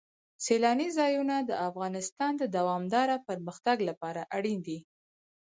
سیلانی ځایونه د افغانستان د دوامداره پرمختګ لپاره اړین دي.